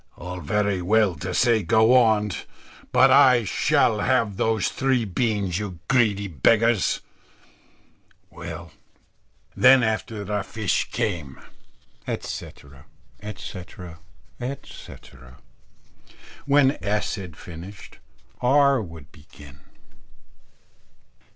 _ "All very well to say go on; but I shall have those three beans, you greedy beggars. Well, then, after the fish came " etc., etc., etc. When S. had finished, R. would begin.